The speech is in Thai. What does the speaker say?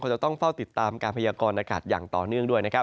เขาจะต้องเฝ้าติดตามการพยากรนักศาสตร์อย่างต่อเนื่อง